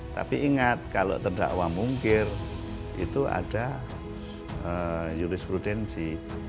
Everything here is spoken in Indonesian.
tapi ingat kalau terdakwa mungkir itu ada jurisprudensi